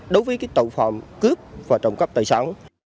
đối với tội phạm cướp và trộm cắp tài sản